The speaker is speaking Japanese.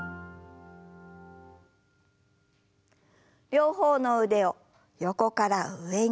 両方の腕を横から上に。